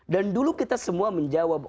dan dulu kita semua menjawab